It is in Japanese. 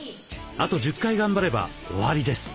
あと１０回頑張れば終わりです。